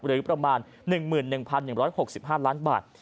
หรือประมาณ๑๑๑๖๕ล้านบาท